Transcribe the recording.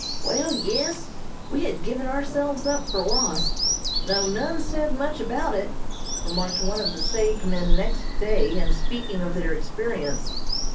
"Wall, yes, we had given ourselves up for lost, though none said much about it," remarked one of the saved men next day, in speaking of their experience.